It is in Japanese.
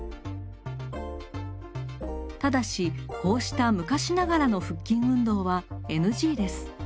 ただしこうした昔ながらの腹筋運動はＮＧです。